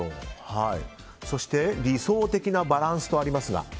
そして理想的なバランスとありますが。